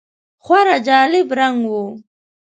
خورا جالب رنګ و .